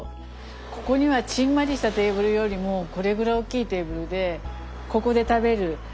ここにはちんまりしたテーブルよりもこれぐらい大きいテーブルでここで食べるあそこで食べる。